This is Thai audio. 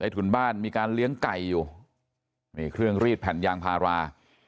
ถุนบ้านมีการเลี้ยงไก่อยู่นี่เครื่องรีดแผ่นยางพารา